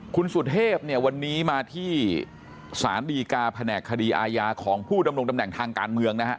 คุณสุเทพเนี่ยวันนี้มาที่สารดีกาแผนกคดีอาญาของผู้ดำรงตำแหน่งทางการเมืองนะฮะ